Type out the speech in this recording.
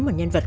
một nhân vật